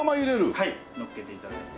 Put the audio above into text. はいのっけていただいて。